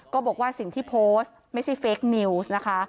บอกว่าสิ่งที่โพสต์ไม่ใช่เฟคนิวส์นะคะ